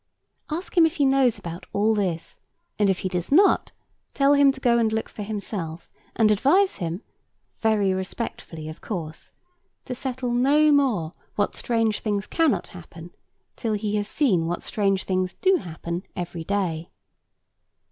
Ask him if he knows about all this; and if he does not, tell him to go and look for himself; and advise him (very respectfully, of course) to settle no more what strange things cannot happen, till he has seen what strange things do happen every day.